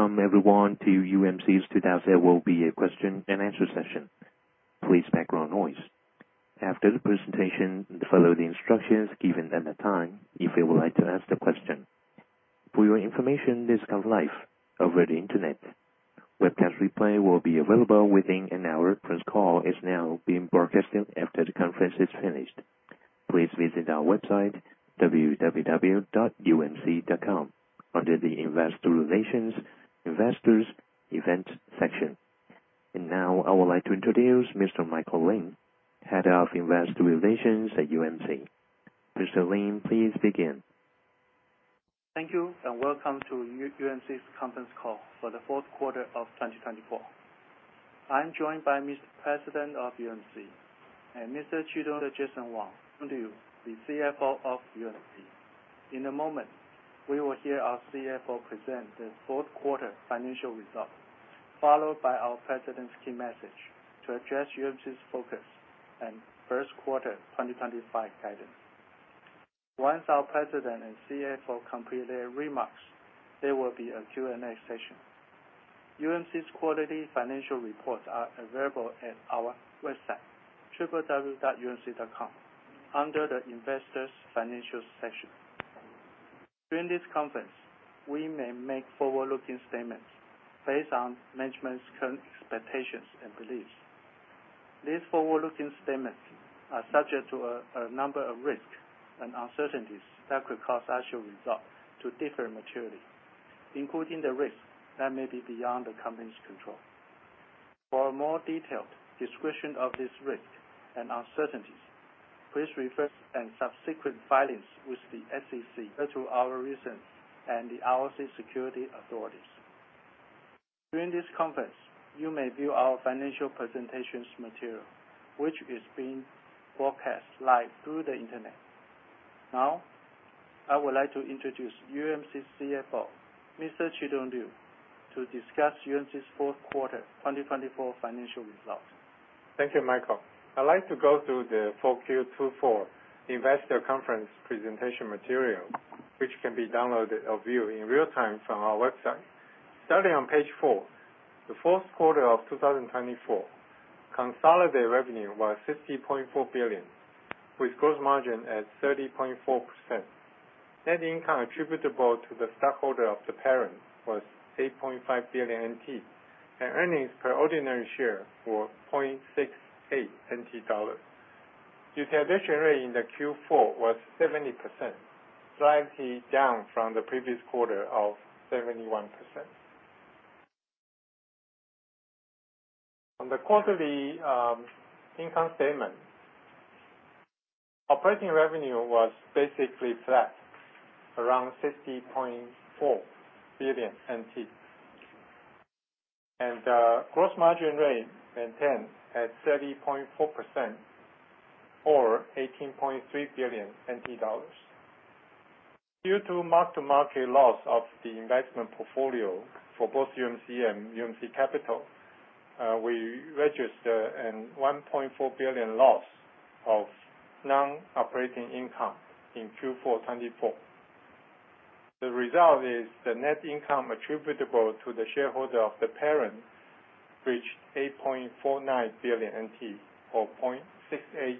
Welcome, everyone, to UMC's 2024 Question and Answer session. Please ignore background noise. After the presentation, follow the instructions given at the time if you would like to ask the question. For your information, this conference is live over the Internet. Webcast replay will be available within an hour. This call is now being broadcast after the conference is finished. Please visit our website, www.umc.com, under the Investor Relations, Investors, Events section. And now, I would like to introduce Mr. Michael Lin, Head of Investor Relations at UMC. Mr. Lin, please begin. Thank you, and welcome to UMC's conference call for the fourth quarter of 2024. I'm joined by Mr. Jason Wang, President of UMC, and Mr. Chi-Tung Liu, the CFO of UMC. In a moment, we will hear our CFO present the fourth quarter financial results, followed by our President's key message to address UMC's focus and first quarter 2025 guidance. Once our President and CFO complete their remarks, there will be a Q&A session. UMC's quarterly financial reports are available at our website, www.umc.com, under the Investor's Financial section. During this conference, we may make forward-looking statements based on management's current expectations and beliefs. These forward-looking statements are subject to a number of risks and uncertainties that could cause actual results to differ materially, including the risks that may be beyond the company's control. For a more detailed description of these risks and uncertainties, please refer to the subsequent filings with the SEC, various regulatory authorities, and the ROC securities authorities. During this conference, you may view our financial presentation material, which is being broadcast live through the Internet. Now, I would like to introduce UMC's CFO, Mr. Chitung Liu, to discuss UMC's fourth quarter 2024 financial results. Thank you, Michael. I'd like to go through the 4Q24 Investor Conference presentation material, which can be downloaded or viewed in real time from our website. Starting on page four, the fourth quarter of 2024 consolidated revenue was 60.4 billion, with gross margin at 30.4%. Net income attributable to the stockholder of the parent was 8.5 billion NT, and earnings per ordinary share were 0.68 NT dollars. Utilization rate in the Q4 was 70%, slightly down from the previous quarter of 71%. On the quarterly income statement, operating revenue was basically flat, around 60.4 billion NT, and the gross margin rate maintained at 30.4%, or 18.3 billion NT dollars. Due to mark-to-market loss of the investment portfolio for both UMC and UMC Capital, we registered a 1.4 billion loss of non-operating income in Q4 2024. The result is the net income attributable to the shareholder of the parent reached 8.49 billion NT, or $0.68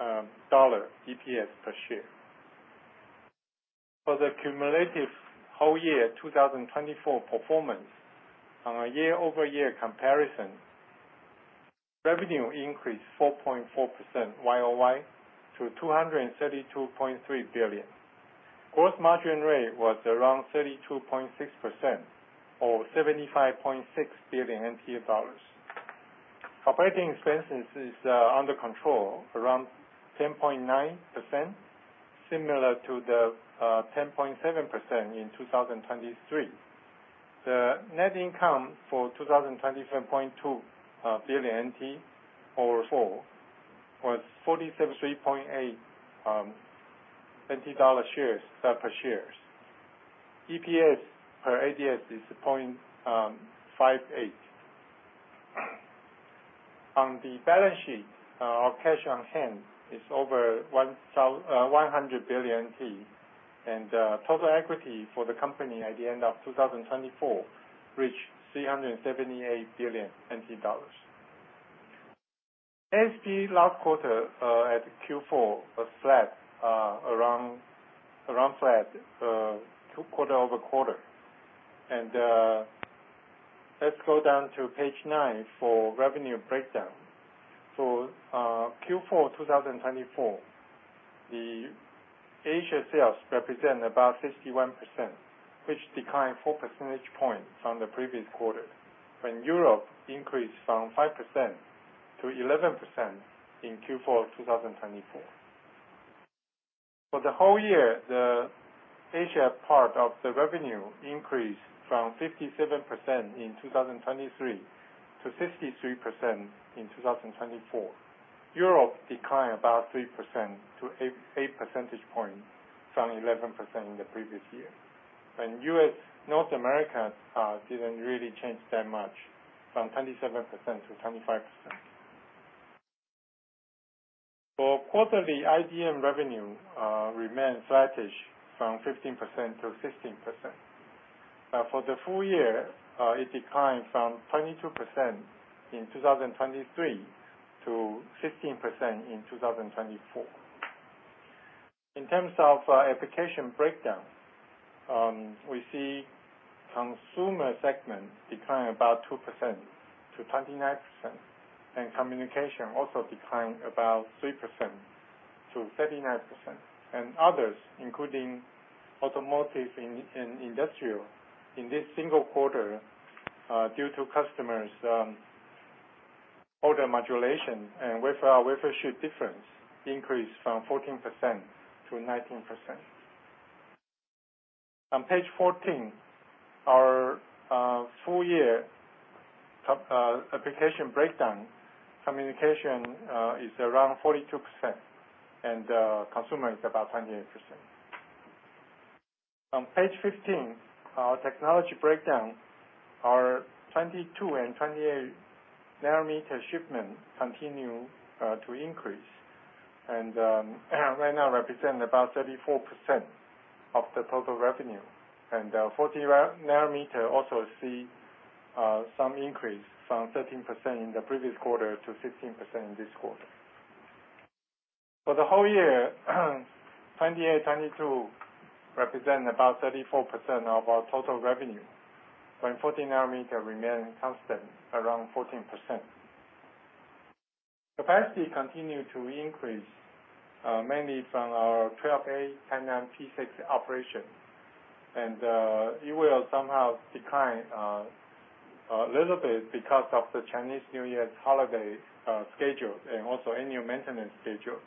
EPS per share. For the cumulative whole year 2024 performance, on a year-over-year comparison, revenue increased 4.4% YOY to 232.3 billion. Gross margin rate was around 32.6%, or 75.6 billion dollars. Operating expenses are under control, around 10.9%, similar to the 10.7% in 2023. The net income for 2024 was 27.2 billion, or TWD 47.38 per share. EPS per ADS is $0.58. On the balance sheet, our cash on hand is over 100 billion, and total equity for the company at the end of 2024 reached TWD 378 billion. ASP last quarter at Q4 was flat quarter-over-quarter. Let's go down to page 9 for revenue breakdown. For Q4 2024, the Asia sales represent about 61%, which declined 4 percentage points from the previous quarter, when Europe increased from 5% to 11% in Q4 2024. For the whole year, the Asia part of the revenue increased from 57% in 2023 to 63% in 2024. Europe declined about 3% to 8 percentage points from 11% in the previous year, when North America didn't really change that much, from 27% to 25%. For quarterly, IDM revenue remained flat-ish, from 15% to 16%. For the full year, it declined from 22% in 2023 to 16% in 2024. In terms of application breakdown, we see the consumer segment declined about 2% to 29%, and communication also declined about 3% to 39%. And others, including automotive and industrial, in this single quarter, due to customers' order modulation and wafer-to-wafer shipment difference, increased from 14% to 19%. On page 14, our full-year application breakdown, communication is around 42%, and consumer is about 28%. On page 15, our technology breakdown, our 22 and 28-nanometer shipment continued to increase, and right now represents about 34% of the total revenue. 40-nanometer also sees some increase from 13% in the previous quarter to 16% in this quarter. For the whole year, 28-22 represents about 34% of our total revenue, when 40-nanometer remained constant around 14%. Capacity continued to increase, mainly from our Fab 12A P6 operation, and it will somehow decline a little bit because of the Chinese New Year's holiday schedule and also annual maintenance schedule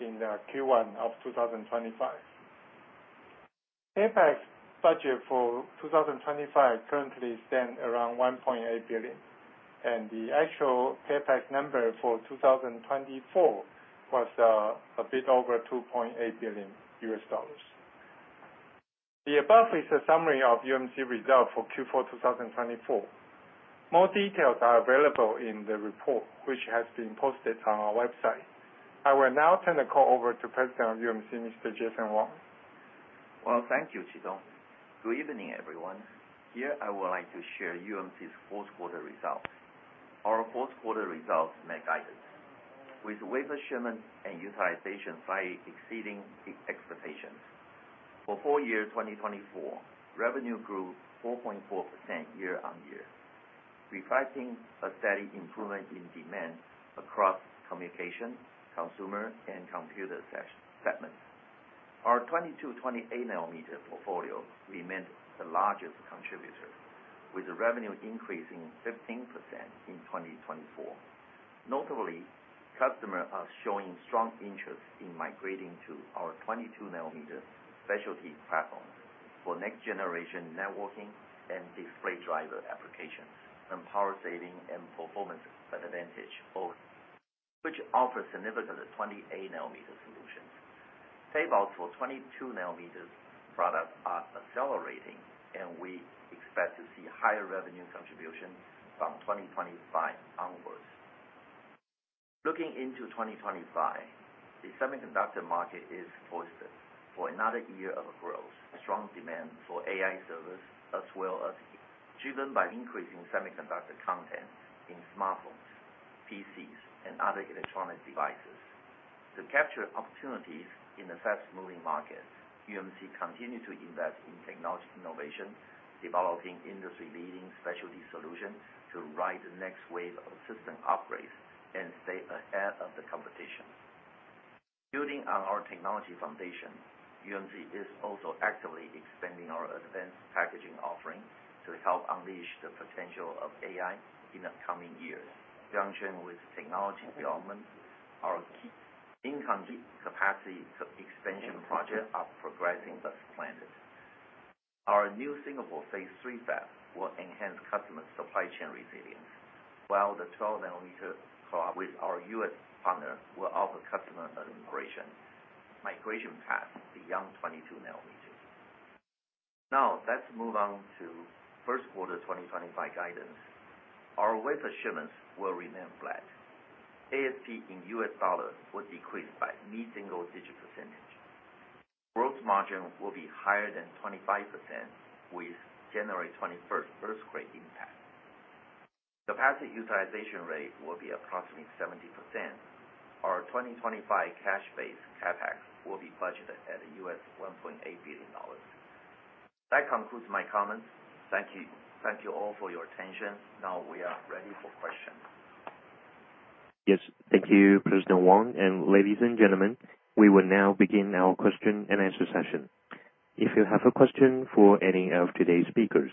in Q1 of 2025. CapEx budget for 2025 currently stands around $1.8 billion, and the actual payback number for 2024 was a bit over $2.8 billion. The above is a summary of UMC results for Q4 2024. More details are available in the report, which has been posted on our website. I will now turn the call over to President of UMC, Mr. Jason Wang. Thank you, Chitung. Good evening, everyone. Here, I would like to share UMC's fourth quarter results. Our fourth quarter results met guidance, with wafer shipment and utilization slightly exceeding expectations. For full year 2024, revenue grew 4.4% year-on-year, reflecting a steady improvement in demand across communication, consumer, and computer segments. Our 22-28-nanometer portfolio remained the largest contributor, with the revenue increasing 15% in 2024. Notably, customers are showing strong interest in migrating to our 22-nanometer specialty platform for next-generation networking and display driver applications and power-saving and performance advantage both, which offers significant 28-nanometer solutions. Tape-outs for 22-nanometer products are accelerating, and we expect to see higher revenue contributions from 2025 onwards. Looking into 2025, the semiconductor market is poised for another year of growth. Strong demand for AI servers, as well as driven by increasing semiconductor content in smartphones, PCs, and other electronic devices. To capture opportunities in the fast-moving markets, UMC continues to invest in technology innovation, developing industry-leading specialty solutions to ride the next wave of system upgrades and stay ahead of the competition. Building on our technology foundation, UMC is also actively expanding our advanced packaging offering to help unleash the potential of AI in the coming years. In conjunction with technology development, our capacity expansion projects are progressing as planned. Our new Singapore Phase 3 Fab will enhance customer supply chain resilience, while the 12-nanometer collaboration with our U.S. partner will offer customer migration paths beyond 22 nanometers. Now, let's move on to first quarter 2025 guidance. Our wafer shipments will remain flat. ASP in U.S. dollars will decrease by a single-digit percentage. Gross margin will be higher than 25% with January 21st earthquake impact. Capacity utilization rate will be approximately 70%. Our 2025 cash-based CapEx will be budgeted at $1.8 billion. That concludes my comments. Thank you all for your attention. Now, we are ready for questions. Yes, thank you, President Wang, and ladies and gentlemen, we will now begin our question-and-answer session. If you have a question for any of today's speakers,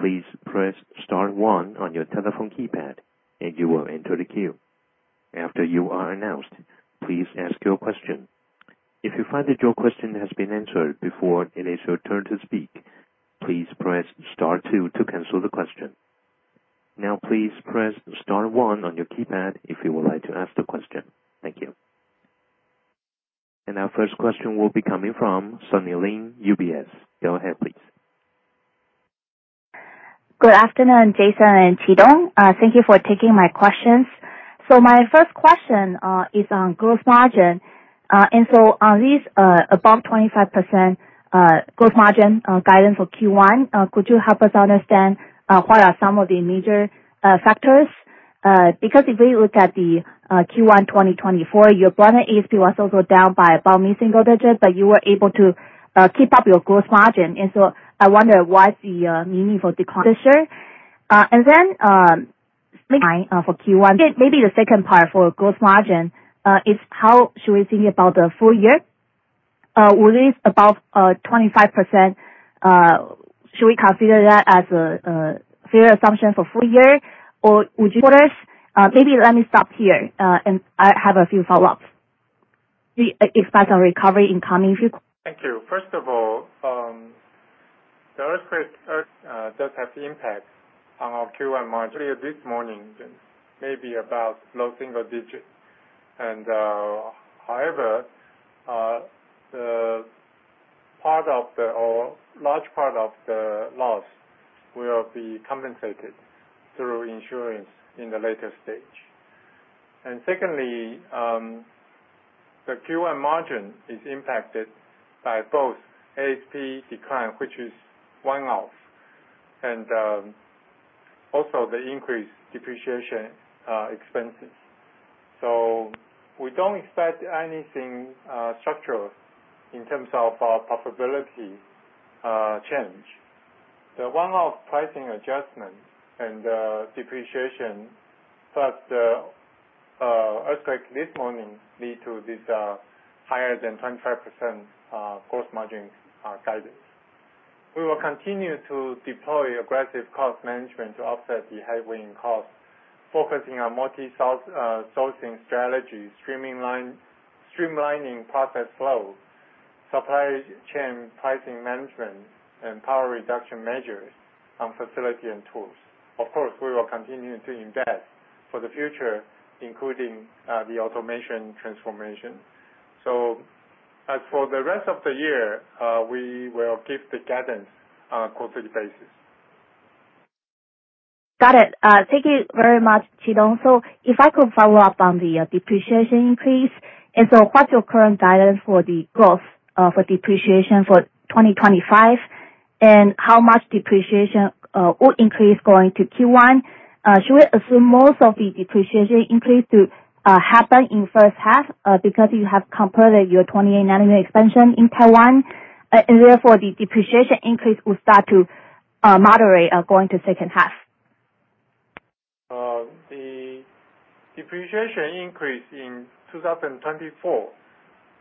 please press Star 1 on your telephone keypad, and you will enter the queue. After you are announced, please ask your question. If you find that your question has been answered before it is your turn to speak, please press Star 2 to cancel the question. Now, please press Star 1 on your keypad if you would like to ask the question. Thank you, and our first question will be coming from Sunny Lin, UBS. Go ahead, please. Good afternoon, Jason and Chitung. Thank you for taking my questions. So my first question is on gross margin. And so on these above 25% gross margin guidance for Q1, could you help us understand what are some of the major factors? Because if we look at the Q1 2024, your broader ASP was also down by about a single digit, but you were able to keep up your gross margin. And so I wonder what's the meaningful decline this year. And then for Q1, maybe the second part for gross margin is how should we think about the full year? Will this above 25%, should we consider that as a fair assumption for full year, or would you quarters? Maybe let me stop here, and I have a few follow-ups. Do you expect a recovery in coming few? Thank you. First of all, the earthquake does have impact on our Q1. Earlier this morning, maybe about low single digit. However, a large part of the loss will be compensated through insurance in the later stage. Secondly, the Q1 margin is impacted by both ASP decline, which is one-off, and also the increased depreciation expenses. So we don't expect anything structural in terms of profitability change. The one-off pricing adjustment and depreciation plus the earthquake this morning lead to this higher than 25% gross margin guidance. We will continue to deploy aggressive cost management to offset the headwind costs, focusing on multi-sourcing strategy, streamlining process flow, supply chain pricing management, and power reduction measures on facility and tools. Of course, we will continue to invest for the future, including the automation transformation. As for the rest of the year, we will give the guidance on a quarterly basis. Got it. Thank you very much, Chitung. So if I could follow up on the depreciation increase, and so what's your current guidance for the growth for depreciation for 2025, and how much depreciation will increase going to Q1? Should we assume most of the depreciation increase to happen in first half because you have completed your 28-nanometer expansion in Taiwan, and therefore the depreciation increase will start to moderate going to second half? The depreciation increase in 2024,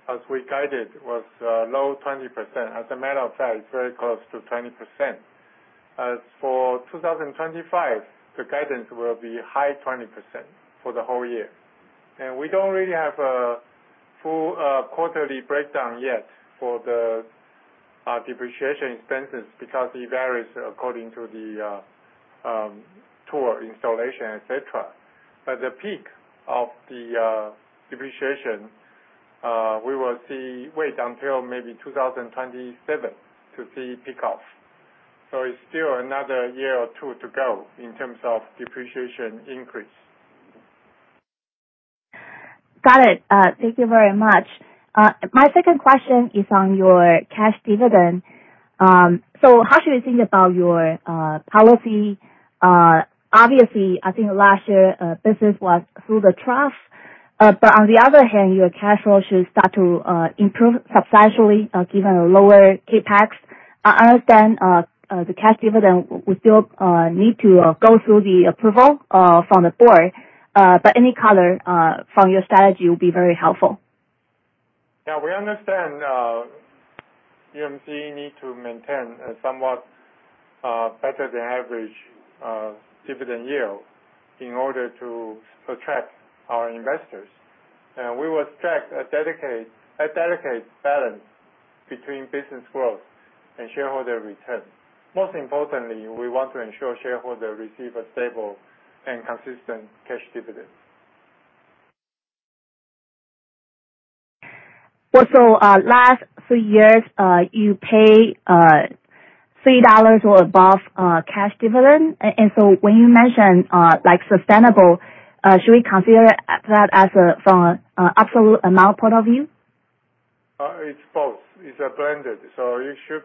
as we guided, was low 20%. As a matter of fact, it's very close to 20%. As for 2025, the guidance will be high 20% for the whole year. And we don't really have a full quarterly breakdown yet for the depreciation expenses because it varies according to the tool installation, etc. But the peak of the depreciation, we will see until maybe 2027 to see peak off. So it's still another year or two to go in terms of depreciation increase. Got it. Thank you very much. My second question is on your cash dividend. So how should we think about your policy? Obviously, I think last year business was through the trough, but on the other hand, your cash flow should start to improve substantially given a lower CapEx. I understand the cash dividend will still need to go through the approval from the board, but any color from your strategy will be very helpful. Yeah, we understand UMC needs to maintain a somewhat better than average dividend yield in order to attract our investors, and we will strike a delicate balance between business growth and shareholder return. Most importantly, we want to ensure shareholders receive a stable and consistent cash dividend. Last three years, you paid $3 or above cash dividend. When you mentioned sustainable, should we consider that from an absolute amount point of view? It's both. It's a blended, so you should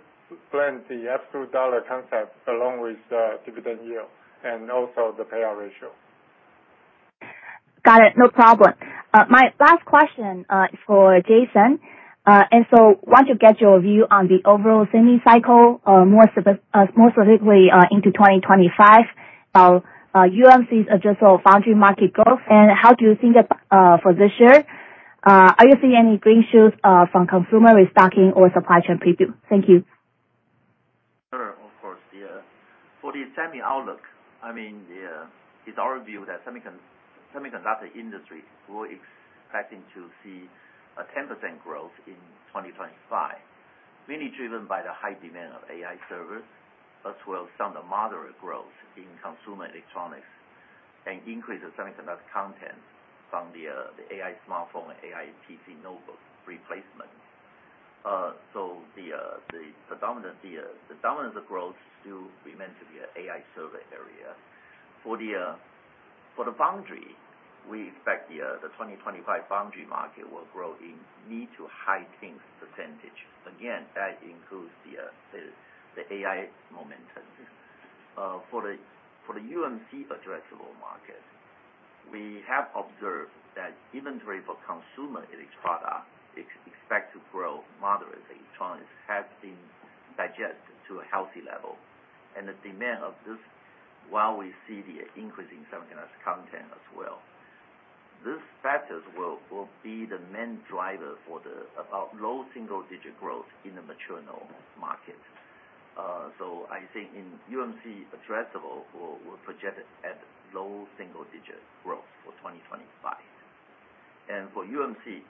blend the absolute dollar concept along with the dividend yield and also the payout ratio. Got it. No problem. My last question is for Jason. And so I want to get your view on the overall semi cycle, more specifically into 2025. About UMC's adjusted foundry market growth, and how do you think for this year? Are you seeing any green shoots from consumer restocking or supply chain preview? Thank you. Sure, of course. Yeah. For the semi outlook, I mean, it's our view that the semiconductor industry is expecting to see a 10% growth in 2025, mainly driven by the high demand of AI servers, as well as some moderate growth in consumer electronics and increase of semiconductor content from the AI smartphone and AI PC notebook replacement. So the dominance of growth still remains to be an AI server area. For the foundry, we expect the 2025 foundry market will grow in mid- to high-teens %. Again, that includes the AI momentum. For the UMC addressable market, we have observed that inventory for consumer electronics expects to grow moderately as long as it has been digested to a healthy level, and the demand of this while we see the increase in semiconductor content as well. These factors will be the main driver for the overall low single-digit growth in the mature market, so I think UMC's addressable will project at low single-digit growth for 2025, and for UMC,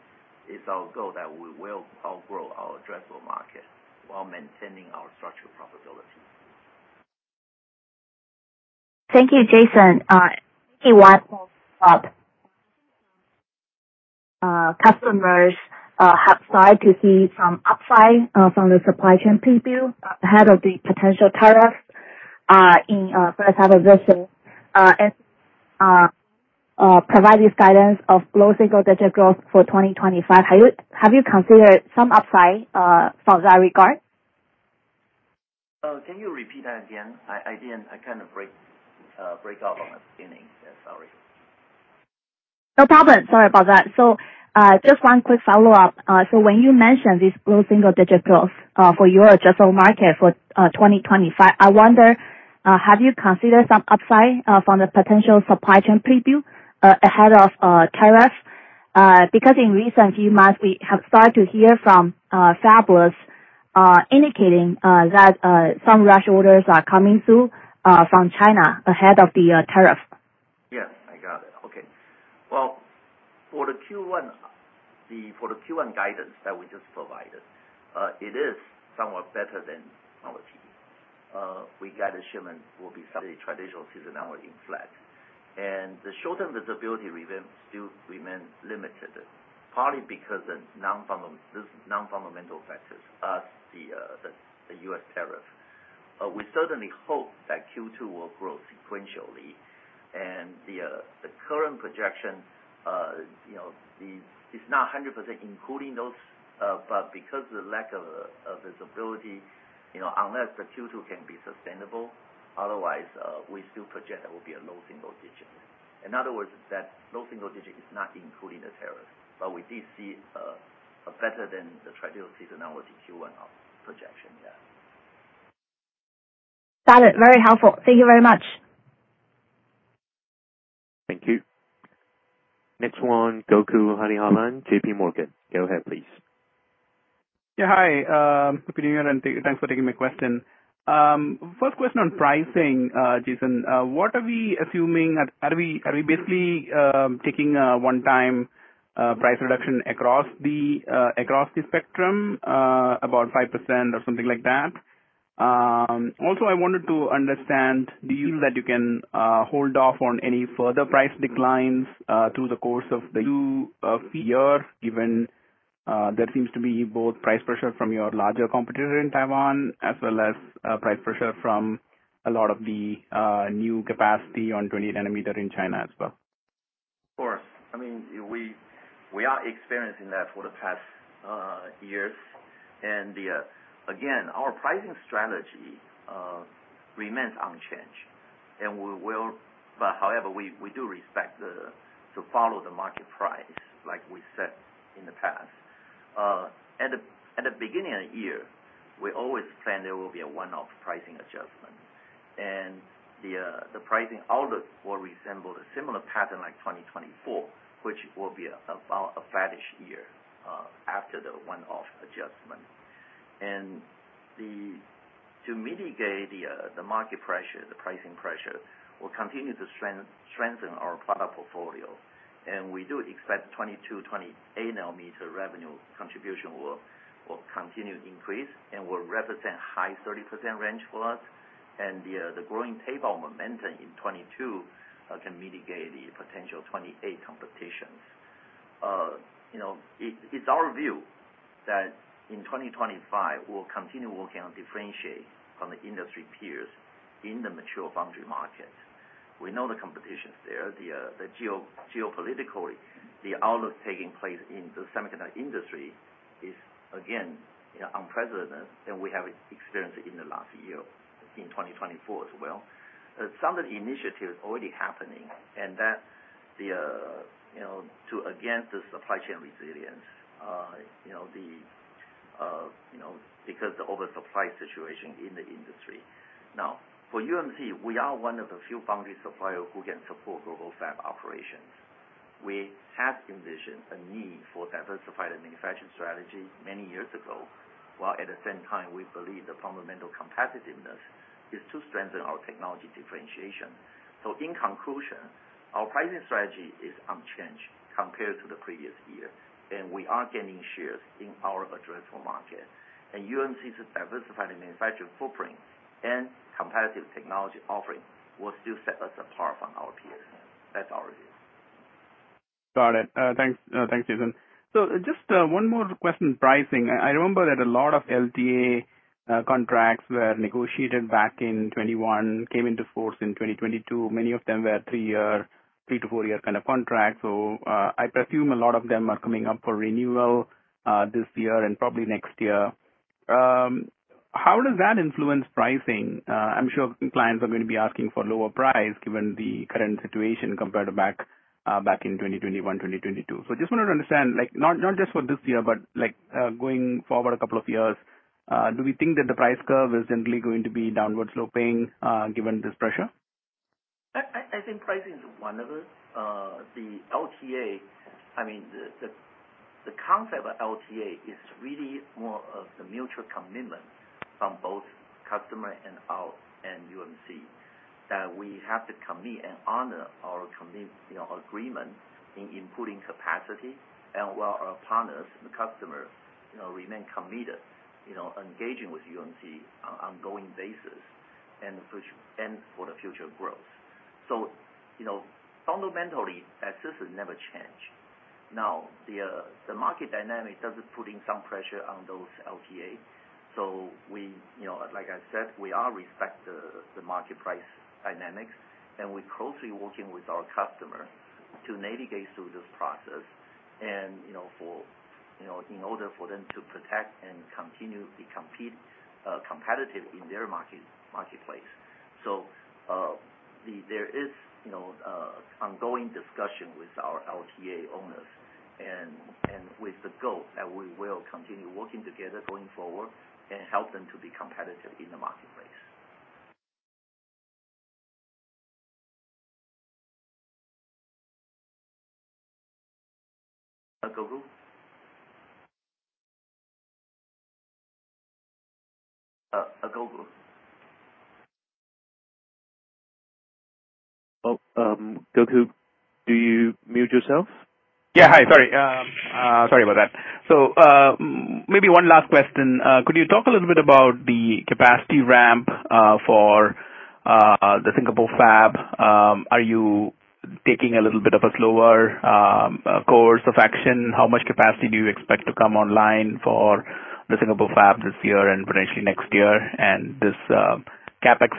it's our goal that we will outgrow our addressable market while maintaining our structural profitability. Thank you, Jason. Thank you for customers' help side to see some upside from the supply chain preview ahead of the potential tariffs in first half of this year, and provide this guidance of low single-digit growth for 2025. Have you considered some upside from that regard? Can you repeat that again? I kind of blanked out at the beginning. Sorry. No problem. Sorry about that, so just one quick follow-up, so when you mentioned this low single-digit growth for your adjusted market for 2025, I wonder, have you considered some upside from the potential supply chain pull-in ahead of tariffs? Because in recent few months, we have started to hear from fabless indicating that some rush orders are coming through from China ahead of the tariff. Yes, I got it. Okay. Well, for the Q1 guidance that we just provided, it is somewhat better than our preview. We guide the shipment will be the traditional seasonality in flat. And the short-term visibility still remains limited, partly because of these non-fundamental factors plus the US tariff. We certainly hope that Q2 will grow sequentially. And the current projection is not 100% including those, but because of the lack of visibility, unless the Q2 can be sustainable, otherwise, we still project that will be a low single digit. In other words, that low single digit is not including the tariff. But we did see better than the traditional seasonality Q1 projection. Yeah. Got it. Very helpful. Thank you very much. Thank you. Next one, Gokul Hariharan, J.P. Morgan. Go ahead, please. Yeah, hi. Good evening and thanks for taking my question. First question on pricing, Jason. What are we assuming? Are we basically taking a one-time price reduction across the spectrum, about 5% or something like that? Also, I wanted to understand the use that you can hold off on any further price declines through the course of the new year, given there seems to be both price pressure from your larger competitor in Taiwan as well as price pressure from a lot of the new capacity on 28-nanometer in China as well? Of course. I mean, we are experiencing that for the past years. And again, our pricing strategy remains unchanged. And however, we do respect to follow the market price like we said in the past. At the beginning of the year, we always plan there will be a one-off pricing adjustment. And the pricing outlook will resemble a similar pattern like 2024, which will be about a flat-ish year after the one-off adjustment. And to mitigate the market pressure, the pricing pressure, we'll continue to strengthen our product portfolio. And we do expect 22- and 28-nanometer revenue contribution will continue to increase and will represent high 30% range for us. And the growing payback momentum in 2022 can mitigate the potential 28-nm competitions. It's our view that in 2025, we'll continue working on differentiating from the industry peers in the mature foundry market. We know the competition's there. Geopolitically, the outlook taking place in the semiconductor industry is, again, unprecedented than we have experienced in the last year in 2024 as well. Some of the initiatives are already happening, and that to against the supply chain resilience, because of the oversupply situation in the industry. Now, for UMC, we are one of the few foundry suppliers who can support global fab operations. We have envisioned a need for diversified manufacturing strategy many years ago, while at the same time, we believe the fundamental competitiveness is to strengthen our technology differentiation. So in conclusion, our pricing strategy is unchanged compared to the previous year, and we are gaining shares in our addressable market. And UMC's diversified manufacturing footprint and competitive technology offering will still set us apart from our peers. That's our view. Got it. Thanks, Jason. So just one more question, pricing. I remember that a lot of LTA contracts were negotiated back in 2021, came into force in 2022. Many of them were three-to-four-year kind of contracts. So I presume a lot of them are coming up for renewal this year and probably next year. How does that influence pricing? I'm sure clients are going to be asking for a lower price given the current situation compared to back in 2021, 2022. So I just wanted to understand, not just for this year, but going forward a couple of years, do we think that the price curve is generally going to be downward sloping given this pressure? I think pricing is one of them. The LTA, I mean, the concept of LTA is really more of the mutual commitment from both customer and UMC that we have to commit and honor our agreement in improving capacity and while our partners and customers remain committed, engaging with UMC on an ongoing basis and for the future growth. So fundamentally, this has never changed. Now, the market dynamic does put in some pressure on those LTA. So like I said, we are respecting the market price dynamics, and we're closely working with our customers to navigate through this process in order for them to protect and continue to be competitive in their marketplace. So there is ongoing discussion with our LTA owners and with the goal that we will continue working together going forward and help them to be competitive in the marketplace. Gokul? Gokul. Gokul, do you mute yourself? Yeah. Hi. Sorry. Sorry about that. So maybe one last question. Could you talk a little bit about the capacity ramp for the Singapore Fab? Are you taking a little bit of a slower course of action? How much capacity do you expect to come online for the Singapore Fab this year and potentially next year? And this CapEx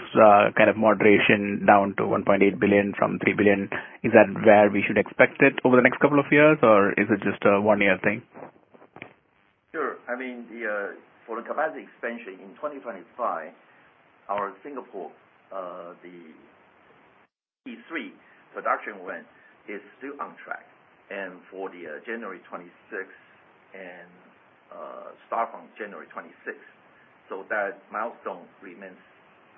kind of moderation down to $1.8 billion from $3 billion, is that where we should expect it over the next couple of years, or is it just a one-year thing? Sure. I mean, for the capacity expansion in 2025, our Singapore, the Q3 production went is still on track, and for the January '26 and start from January '26, so that milestone remains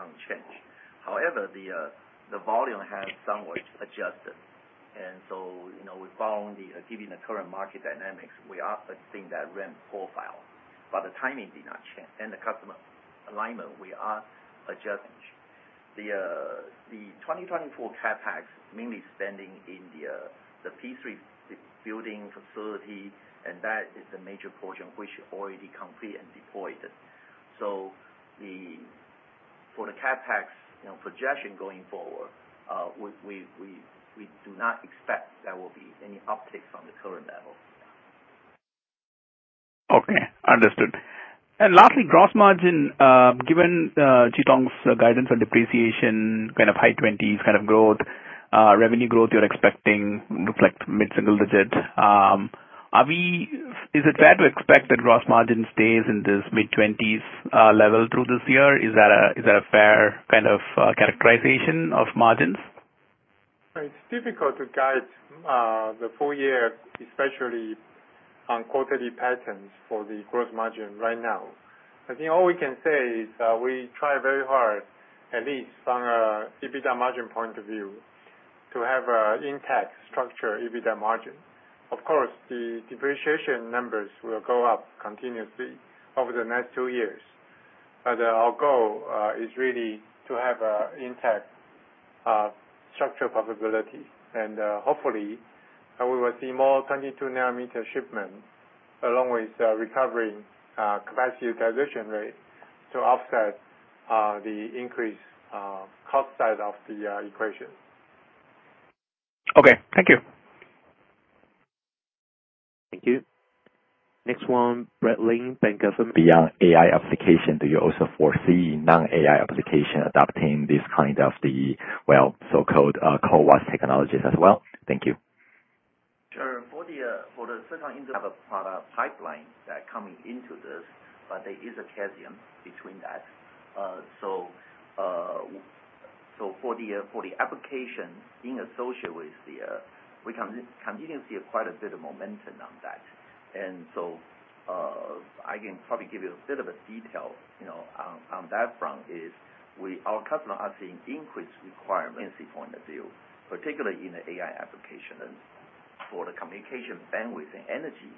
unchanged. However, the volume has somewhat adjusted, and so, following, given the current market dynamics, we are seeing that ramp profile. But the timing did not change, and the customer alignment, we are adjusting. The 2024 CapEx mainly spending in the P3 building facility, and that is the major portion which is already complete and deployed. So for the CapEx projection going forward, we do not expect there will be any uptick from the current level. Okay. Understood, and lastly, gross margin, given Chitung's guidance on depreciation, kind of high 20s kind of growth, revenue growth you're expecting looks like mid-single digit. Is it fair to expect that gross margin stays in this mid-20s level through this year? Is that a fair kind of characterization of margins? It's difficult to guide the full year, especially on quarterly patterns for the gross margin right now. I think all we can say is we try very hard, at least from an EBITDA margin point of view, to have an intact structure EBITDA margin. Of course, the depreciation numbers will go up continuously over the next two years. But our goal is really to have an intact structure profitability. And hopefully, we will see more 22-nanometer shipment along with recovering capacity utilization rate to offset the increased cost side of the equation. Okay. Thank you. Thank you. Next one, Brad Lin, Bank of America. Beyond AI application, do you also foresee non-AI application adopting this kind of the, well, so-called CoWoS technologies as well? Thank you. Sure. For the second, we have a product pipeline that's coming into this, but there is a cadence between that. So for the application being associated with the, we can continue to see quite a bit of momentum on that. And so I can probably give you a bit of a detail on that front is our customer has seen increased requirements point of view, particularly in the AI application and for the communication bandwidth and energy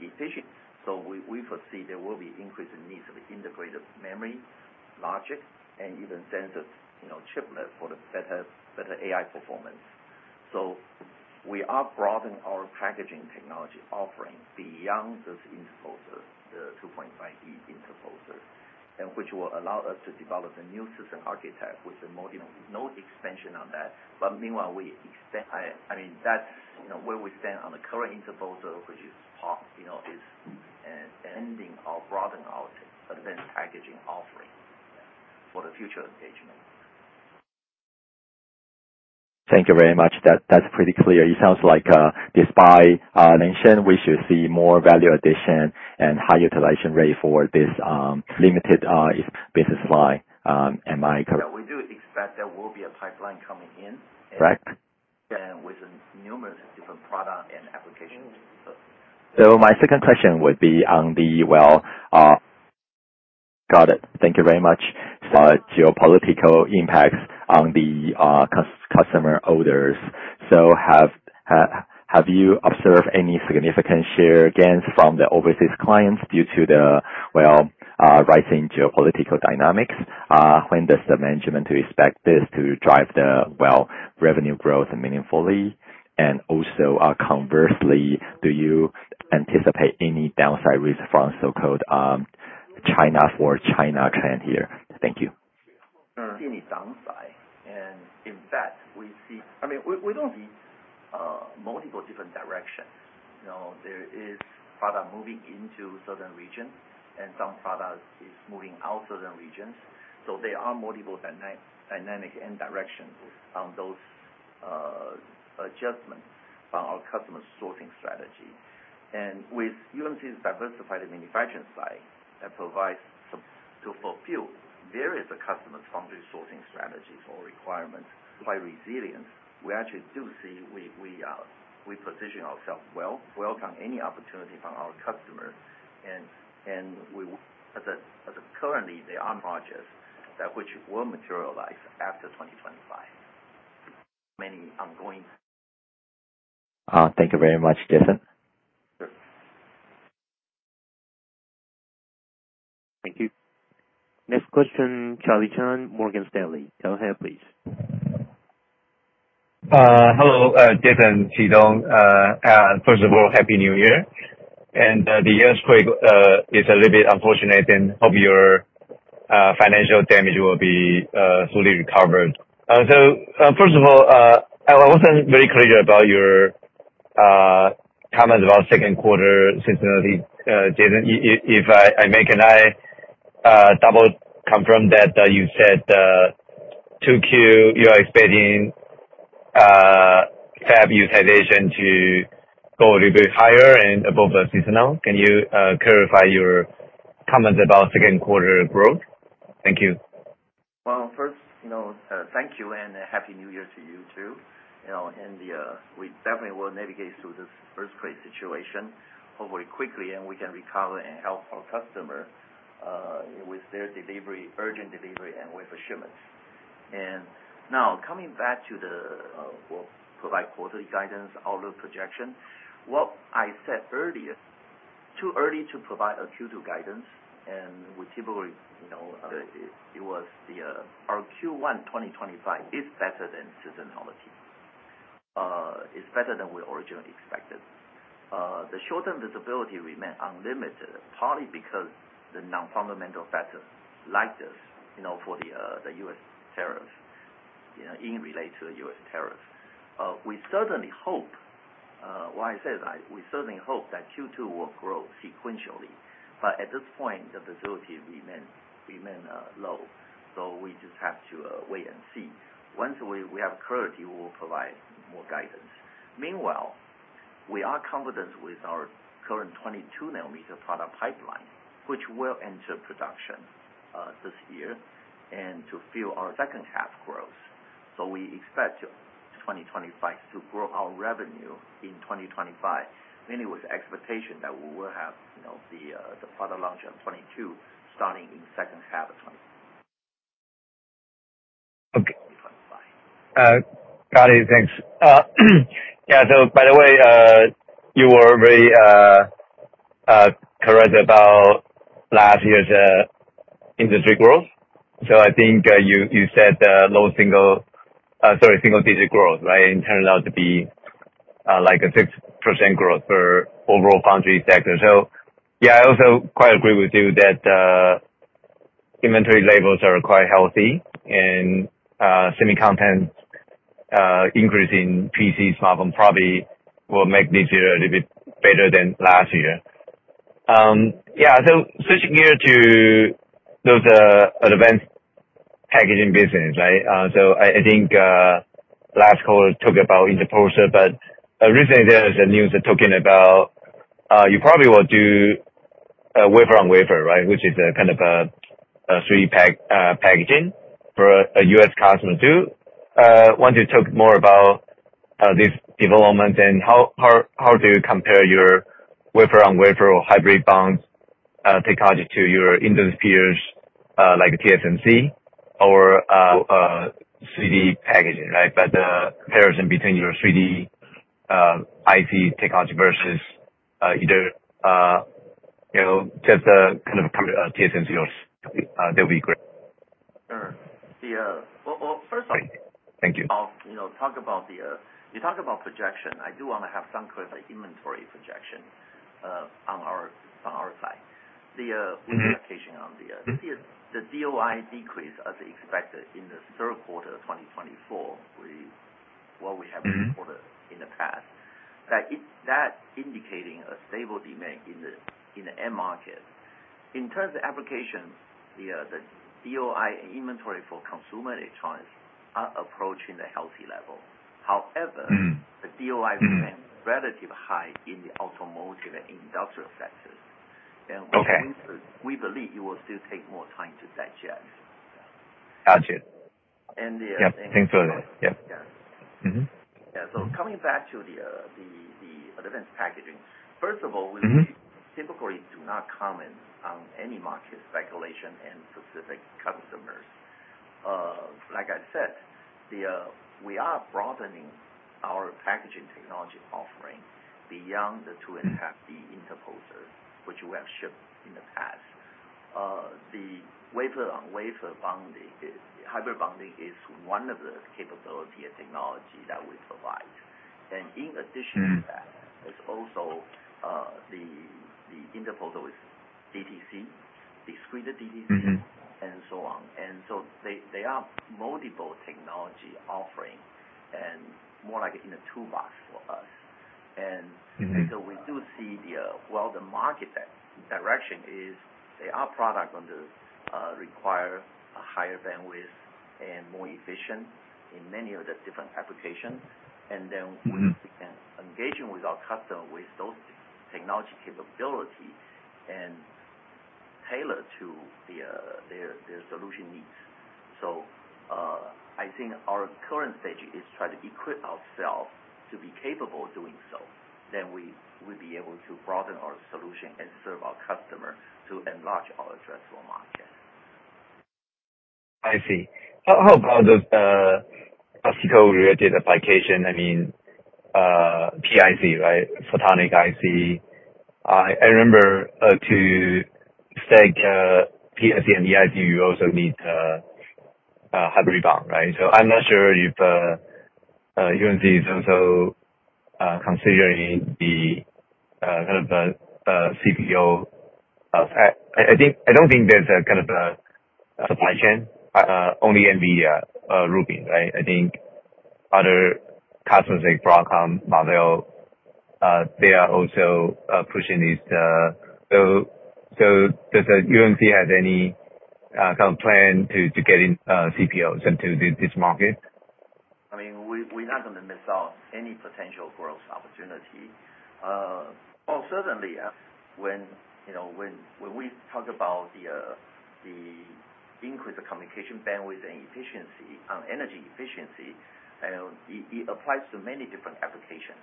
efficiency. So we foresee there will be increased needs of integrated memory, logic, and even sensor chiplet for the better AI performance. So we are broadening our packaging technology offering beyond this interposer, the 2.5D interposer, which will allow us to develop a new system architect with a model. No expansion on that. But meanwhile, we extend. I mean, that's where we stand on the current interposer, which is part of expanding our broadened out advanced packaging offering for the future engagement. Thank you very much. That's pretty clear. It sounds like despite mention, we should see more value addition and high utilization rate for this limited business line. Am I? We do expect there will be a pipeline coming in. Correct? With numerous different products and applications. My second question would be on the geopolitical impacts on the customer orders. Have you observed any significant share gains from the overseas clients due to the rising geopolitical dynamics? When does the management expect this to drive the revenue growth meaningfully? And also, conversely, do you anticipate any downside risk from so-called China-for-China trend here? Thank you. Any downside. And in fact, we see, I mean, we don't see multiple different directions. There is product moving into certain regions, and some product is moving out certain regions. So there are multiple dynamics and directions on those adjustments on our customer sourcing strategy. And with UMC's diversified manufacturing side that provides to fulfill various customers' foundry sourcing strategies or requirements. Quite resilient, we actually do see we position ourselves well. Welcome any opportunity from our customers. And as of currently, there are projects that which will materialize after 2025. Many ongoing. Thank you very much, Jason. Sure. Thank you. Next question, Charlie Chan, Morgan Stanley. Go ahead, please. Hello, Jason, Chitung. First of all, happy New Year. And the year is a little bit unfortunate, and hope your financial damage will be fully recovered. So first of all, I wasn't very clear about your comments about second quarter sensitivity. Jason, if I may, can I double confirm that you said QQ, you are expecting fab utilization to go a little bit higher and above the seasonal? Can you clarify your comments about second quarter growth? Thank you. First, thank you, and happy New Year to you too. We definitely will navigate through this earthquake situation hopefully quickly, and we can recover and help our customer with their delivery, urgent delivery, and with the shipments. Now, coming back to the quarterly guidance, outlook projection. What I said earlier, too early to provide a Q2 guidance. Our Q1 2025 is better than seasonality. It is better than we originally expected. The short-term visibility remained limited, partly because the non-fundamental factors like this, the U.S. tariffs in relation to the U.S. tariffs. We certainly hope that Q2 will grow sequentially. At this point, the visibility remained low. We just have to wait and see. Once we have clarity, we will provide more guidance. Meanwhile, we are confident with our current 22-nanometer product pipeline, which will enter production this year and to fill our second-half growth, so we expect 2025 to grow our revenue in 2025, mainly with the expectation that we will have the product launch on 22, starting in second half of 2025. Got it. Thanks. Yeah. So by the way, you were very correct about last year's industry growth. So I think you said low single—sorry, single-digit growth, right? And it turned out to be like a 6% growth for overall foundry sector. So yeah, I also quite agree with you that inventory levels are quite healthy and semiconductor increase in PC smartphone probably will make this year a little bit better than last year. Yeah. So switching gears to those advanced packaging business, right? So I think last call talked about interposer, but recently there's a news talking about you probably will do wafer-on-wafer, right, which is a kind of a 3D packaging for a U.S. customer too. Want to talk more about this development and how do you compare your wafer-on-wafer or hybrid bonding technology to your industry peers like TSMC or 3D packaging, right? But the comparison between your 3D IC technology versus either TSMC or SMIC, that would be great. Sure. Well, first. Great. Thank you. You talk about the projection. I do want to have some clear inventory projection on our side. The indication on the DOI decrease as expected in the third quarter of 2024, what we have reported in the past, that indicating a stable demand in the end market. In terms of application, the DOI inventory for consumer electronics are approaching the healthy level. However, the DOI remains relatively high in the automotive and industrial sectors. We believe it will still take more time to digest. Gotcha. And. Yeah. Thanks for that. Yeah. Yeah. So coming back to the advanced packaging, first of all, we typically do not comment on any market speculation and specific customers. Like I said, we are broadening our packaging technology offering beyond the 2.5D interposer, which we have shipped in the past. The wafer-on-wafer hybrid bonding is one of the capability and technology that we provide. And in addition to that, there's also the interposer with DTC, discrete DTC, and so on. And so they are multiple technology offering and more like in a toolbox for us. And so we do see the, well, the market direction is our product going to require a higher bandwidth and more efficient in many of the different applications. And then we can engage with our customer with those technology capability and tailor to their solution needs. So I think our current stage is trying to equip ourselves to be capable of doing so. Then we would be able to broaden our solution and serve our customer to enlarge our addressable market. I see. How about the optical-related application? I mean, PIC, right? Photonic IC. I remember to stack PIC and EIC, you also need hybrid bonding, right? So I'm not sure if UMC is also considering the kind of CPO or I don't think there's a kind of a supply chain, only NVIDIA, Rubin, right? I think other customers like Broadcom, Marvell, they are also pushing this. So does UMC have any kind of plan to get into CPOs in this market? I mean, we're not going to miss out any potential growth opportunity. Well, certainly. When we talk about the increase of communication bandwidth and energy efficiency, it applies to many different applications,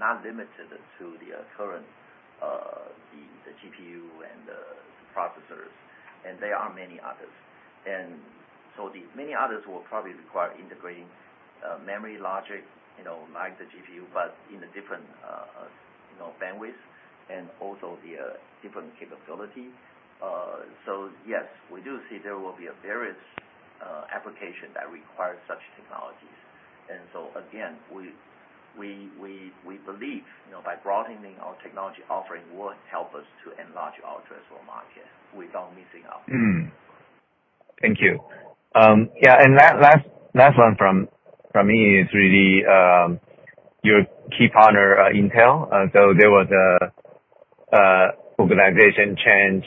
not limited to the current GPU and the processors. And there are many others. And so many others will probably require integrating memory logic like the GPU, but in a different bandwidth and also the different capability. So yes, we do see there will be various applications that require such technologies. And so again, we believe by broadening our technology offering will help us to enlarge our addressable market without missing out. Thank you. Yeah. And last one from me, it's really your key partner, Intel. So there was an organization change.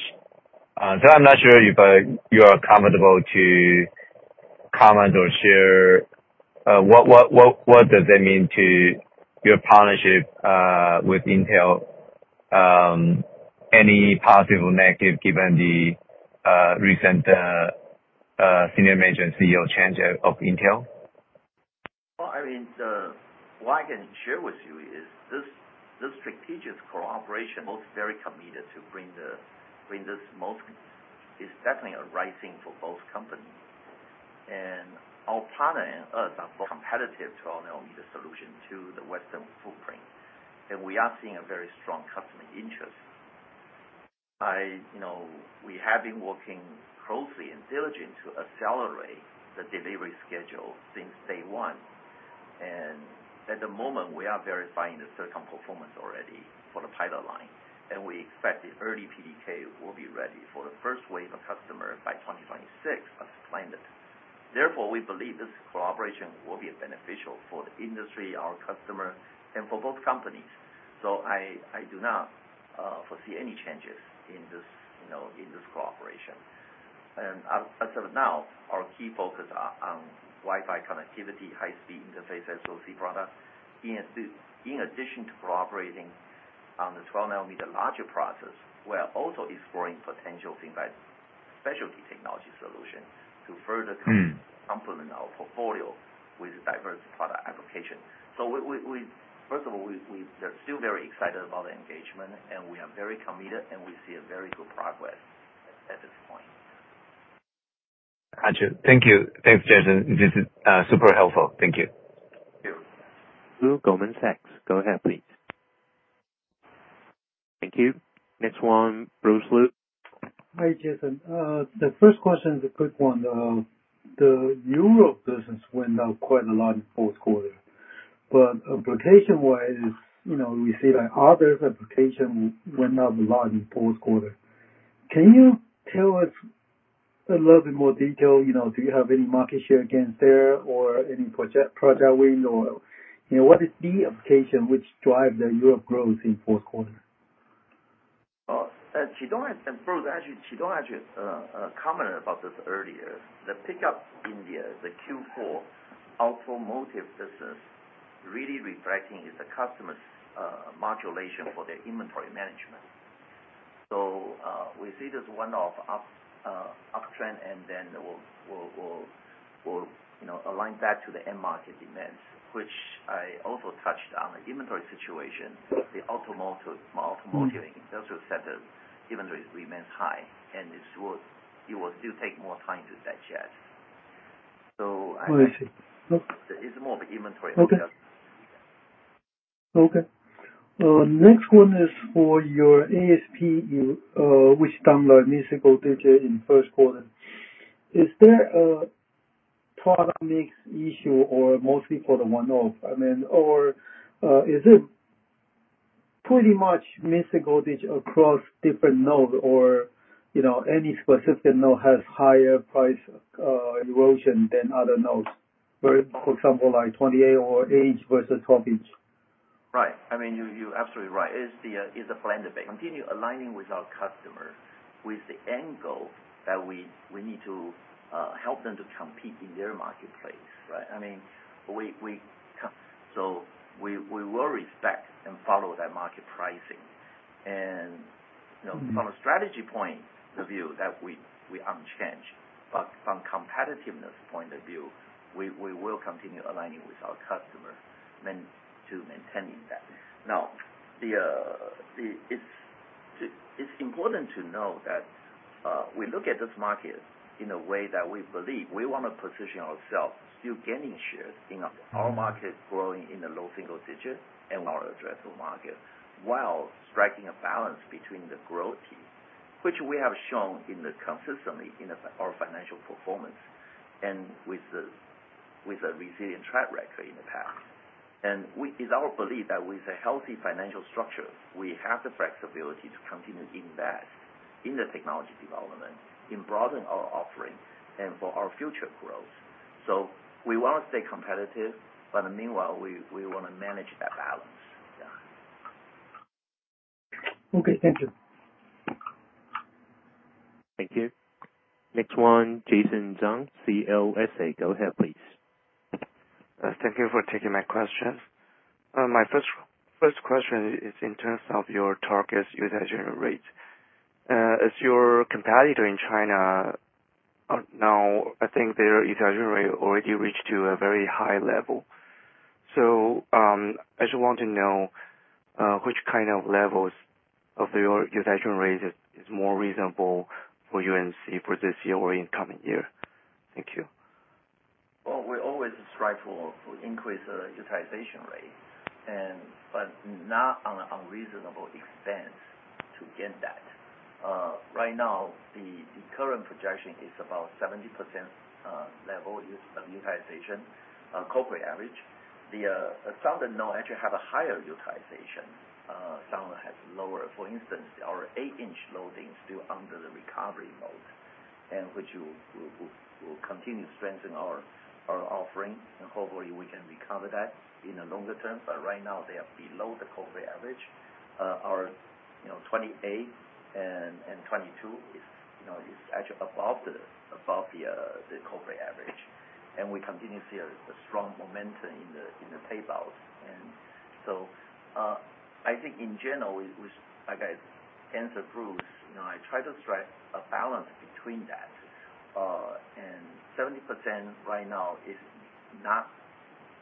So I'm not sure if you are comfortable to comment or share what does that mean to your partnership with Intel? Any positive or negative given the recent senior manager and CEO change of Intel? Well, I mean, what I can share with you is this strategic cooperation. Both [are] very committed to bring this most. It's definitely a right thing for both companies, and our partner and us are complementary to our solution to the Western footprint. And we are seeing a very strong customer interest. We have been working closely and diligently to accelerate the delivery schedule since day one. And at the moment, we are verifying the silicon performance already for the pilot line. And we expect the early PDK will be ready for the first wave of customers by 2026 as planned. Therefore, we believe this cooperation will be beneficial for the industry, our customers, and for both companies. So I do not foresee any changes in this cooperation. And as of now, our key focus is on Wi-Fi connectivity, high-speed interface, SOC products. In addition to cooperating on the 12-nanometer process, we are also exploring potential specialty technology solutions to further complement our portfolio with diverse product applications. So first of all, we are still very excited about the engagement, and we are very committed, and we see very good progress at this point. Gotcha. Thank you. Thanks, Jason. This is super helpful. Thank you. Thank you. Lu, Goldman Sachs. Go ahead, please. Thank you. Next one, Bruce Lu. Hi, Jason. The first question is a good one. The newer business went up quite a lot in fourth quarter. But application-wise, we see that others' application went up a lot in fourth quarter. Can you tell us a little bit more detail? Do you have any market share against there or any project wins? Or what is the application which drives the year of growth in fourth quarter? Actually, Chitung actually commented about this earlier. The pickup in the Q4 automotive business really reflecting is the customer's modulation for their inventory management. So we see this one-off uptrend, and then we'll align that to the end market demands, which I also touched on the inventory situation. The automotive industrial sector inventory remains high, and it will still take more time to digest. So it's more of an inventory adjustment. Okay. Next one is for your ASP, which declined more than guidance in first quarter. Is there a product mix issue or mostly for the one-off? I mean, or is it pretty much more than guidance across different nodes or any specific node has higher price erosion than other nodes? For example, like 28 or 8-inch versus 12-inch. Right. I mean, you're absolutely right. It's the blend of. Continue aligning with our customers with the angle that we need to help them to compete in their marketplace, right? I mean, we. So we will respect and follow that market pricing. And from a strategy point of view, that we aren't changed. But from a competitiveness point of view, we will continue aligning with our customers to maintain that. Now, it's important to know that we look at this market in a way that we believe we want to position ourselves still gaining share in our market growing in the low single-digit and our addressable market while striking a balance between the growth piece, which we have shown consistently in our financial performance and with a resilient track record in the past. It's our belief that with a healthy financial structure, we have the flexibility to continue to invest in the technology development, in broadening our offering, and for our future growth. We want to stay competitive, but meanwhile, we want to manage that balance. Okay. Thank you. Thank you. Next one, Jason Zhang, CLSA. Go ahead, please. Thank you for taking my question. My first question is in terms of your target usage rate. As your competitor in China now, I think their usage rate already reached a very high level. So I just want to know which kind of levels of your usage rate is more reasonable for UMC for this year or incoming year? Thank you. We always strive to increase the utilization rate, but not on an unreasonable expense to get that. Right now, the current projection is about 70% level of utilization, corporate average. The Certain nodes actually has a higher utilization. Southern has lower. For instance, our 8-inch loading is still under the recovery mode, which will continue strengthening our offering, and hopefully, we can recover that in the longer term, but right now, they are below the corporate average. Our 28 and 22 is actually above the corporate average, and we continue to see a strong momentum in the tape-outs, and so I think in general, like I answered Bruce, I try to strike a balance between that, and 70% right now is not,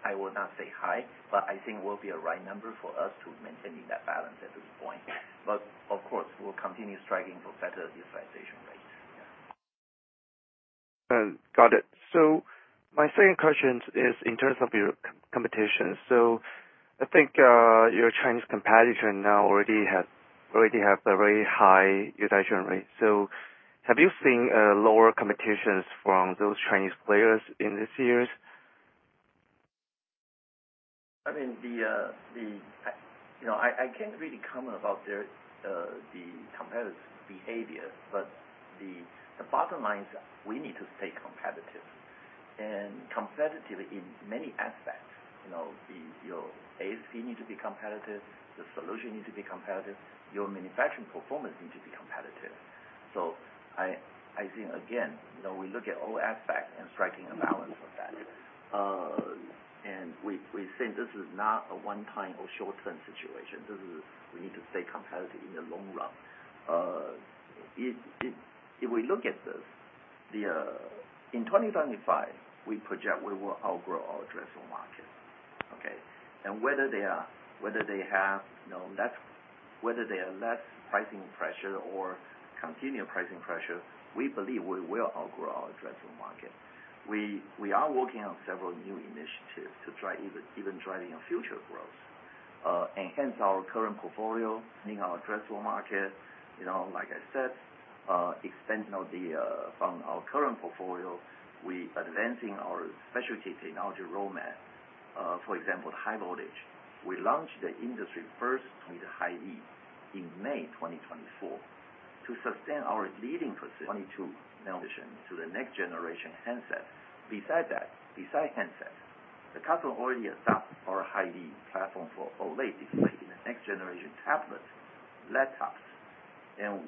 I will not say high, but I think will be a right number for us to maintain that balance at this point. But of course, we'll continue striving for better utilization rates. Got it, so my second question is in terms of your competition, so I think your Chinese competitor now already has a very high utilization rate, so have you seen lower competitions from those Chinese players in these years? I mean, I can't really comment about the competitive behavior, but the bottom line is we need to stay competitive and competitive in many aspects. Your ASP needs to be competitive. The solution needs to be competitive. Your manufacturing performance needs to be competitive, so I think, again, we look at all aspects and striking a balance of that, and we think this is not a one-time or short-term situation. We need to stay competitive in the long run. If we look at this, in 2025, we project we will outgrow our addressable market, okay, and whether they are less pricing pressure or continue pricing pressure, we believe we will outgrow our addressable market. We are working on several new initiatives to drive even driving our future growth. Enhance our current portfolio, meaning our addressable market, like I said, expanding from our current portfolio. We are advancing our specialty technology roadmap. For example, the high voltage. We launched the industry first with eHV in May 2024 to sustain our leading position. 2022. Transition to the next generation handset. Besides handset, the customer already adopts our eHV platform for OLED display in the next generation tablets, laptops. And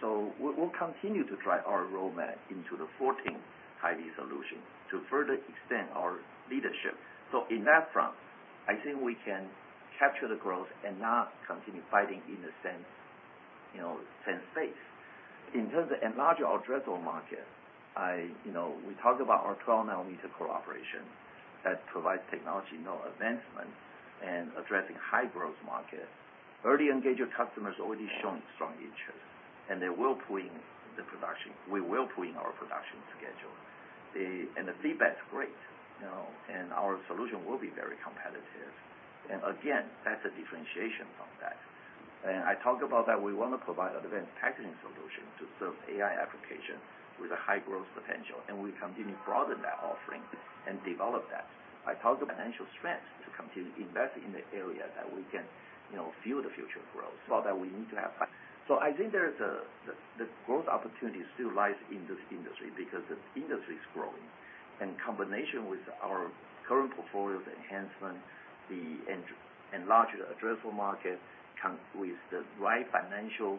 so we'll continue to drive our roadmap into the 14 eHV solution to further extend our leadership. So in that front, I think we can capture the growth and not continue fighting in the same space. In terms of enlarging our addressable market, we talked about our 12-nanometer cooperation that provides technology advancement and addressing high-growth market. Early engaged customers already showing strong interest, and they will pull in the production. We will pull in our production schedule. And the feedback is great. And our solution will be very competitive. And again, that's a differentiation from that. And I talked about that we want to provide advanced packaging solutions to serve AI applications with a high-growth potential. And we continue to broaden that offering and develop that. I talked about financial strength to continue to invest in the area that we can fuel the future growth. About that, we need to have. So I think the growth opportunity still lies in this industry because the industry is growing. And in combination with our current portfolio's enhancement, the enlarged addressable market with the right financial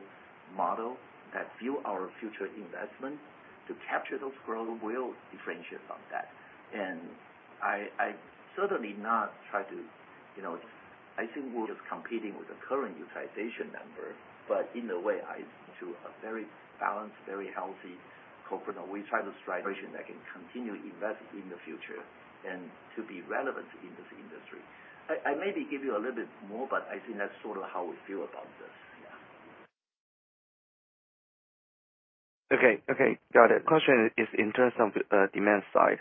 model that fuels our future investment to capture those growth will differentiate from that. And I certainly not try to. I think we're just competing with the current utilization number. But in a way, to a very balanced, very healthy corporate level. We try to strike a version that can continue to invest in the future and to be relevant in this industry. I maybe give you a little bit more, but I think that's sort of how we feel about this. Yeah. Okay. Okay. Got it. The question is in terms of demand side.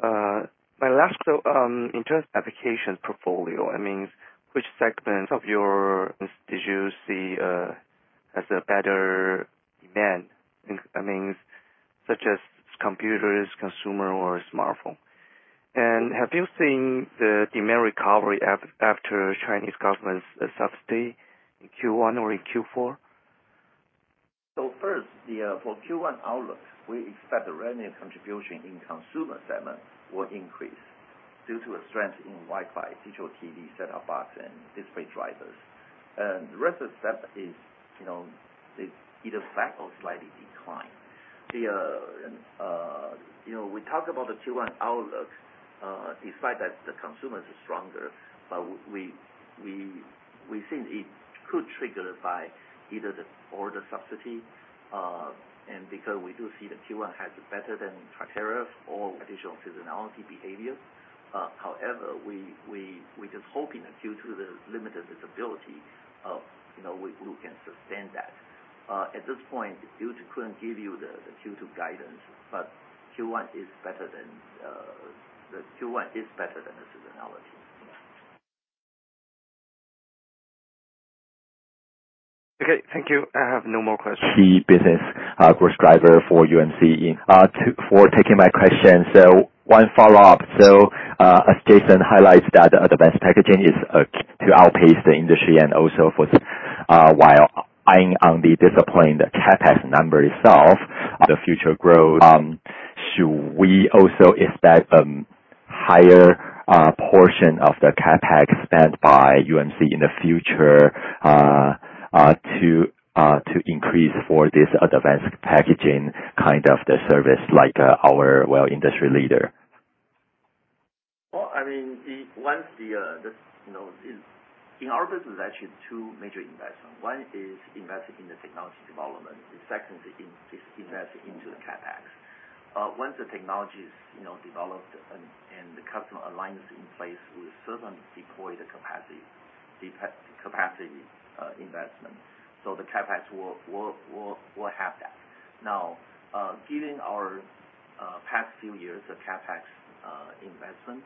My last question in terms of application portfolio. I mean, which segment of yours did you see as a better demand? I mean, such as computers, consumer, or smartphone. And have you seen the demand recovery after Chinese government's subsidy in Q1 or in Q4? First, for Q1 outlook, we expect the revenue contribution in consumer segment will increase due to the strength in Wi-Fi, digital TV setup box, and display drivers. The rest of the segment is either flat or slightly declined. We talked about the Q1 outlook. Despite that, the consumers are stronger, but we think it could trigger by either the order subsidy and because we do see the Q1 has better than tariff or additional seasonality behavior. However, we just hope that due to the limited visibility, we can sustain that. At this point, we couldn't give you the Q2 guidance, but Q1 is better than the seasonality. Okay. Thank you. I have no more questions. Thank you for taking my question. One follow-up. As Jason highlights, that advanced packaging is to outpace the industry and also, while eyeing the disappointing CapEx number itself. For the future growth, should we also expect a higher portion of the CapEx spent by UMC in the future to increase for this advanced packaging kind of the service like our industry leader? I mean, in our business, there's actually two major investments. One is investing in the technology development. The second is investing into the CapEx. Once the technology is developed and the customer aligns in place with certain deployed capacity investment, so the CapEx will have that. Now, given our past few years of CapEx investment,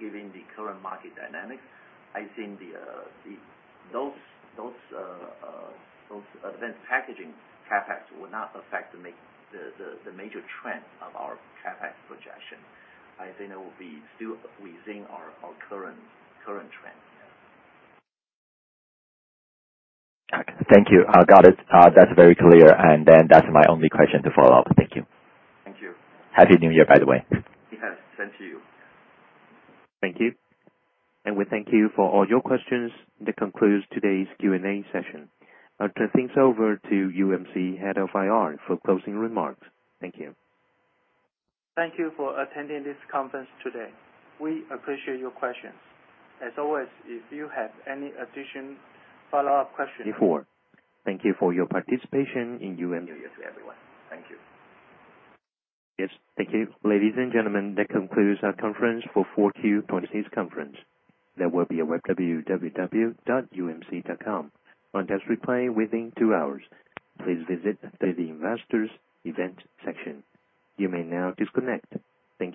given the current market dynamics, I think those advanced packaging CapEx will not affect the major trend of our CapEx projection. I think it will be still within our current trend. Got it. Thank you. Got it. That's very clear. And then that's my only question to follow up. Thank you. Thank you. Happy New Year, by the way. Yes. Same to you. Thank you. And we thank you for all your questions. That concludes today's Q&A session. I'll turn things over to UMC Head of IR for closing remarks. Thank you. Thank you for attending this conference today. We appreciate your questions. As always, if you have any additional follow-up questions. Before. Thank you for your participation in UMC. Thank you. Thank you. Yes. Thank you. Ladies and gentlemen, that concludes our conference for 4Q26. There will be a web conference replay at www.umc.com within two hours. Please visit the investors' events section. You may now disconnect. Thank you.